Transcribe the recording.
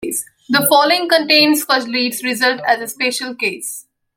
The following contains Fuglede's result as a special case.